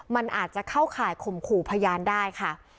มันอาจจะเข้าข่ายข่มขู่พยานได้ค่ะ